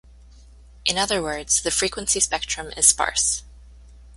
In other words, the frequency spectrum is sparse.